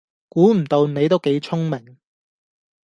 估唔到你都幾聰明